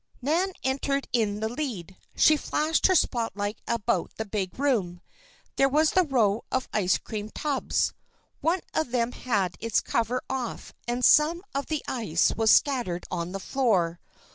Nan entered in the lead. She flashed her spot light about the big room. There was the row of ice cream tubs. One of them had its cover off and some of the ice was scattered on the floor.